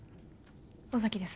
尾崎です